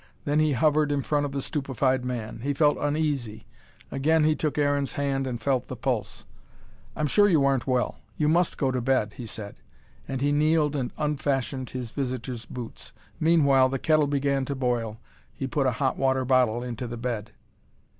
Then he hovered in front of the stupefied man. He felt uneasy. Again he took Aaron's hand and felt the pulse. "I'm sure you aren't well. You must go to bed," he said. And he kneeled and unfastened his visitor's boots. Meanwhile the kettle began to boil, he put a hot water bottle into the bed.